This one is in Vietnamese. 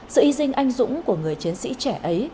sự hy sinh anh dũng của người chiến sĩ trẻ ấy